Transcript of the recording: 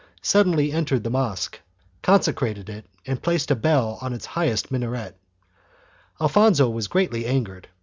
II] THE MUDtijARES 59 suddenly entered the mosque, consecrated it and placed a bell on its highest minaret, Alfonso was greatly angered.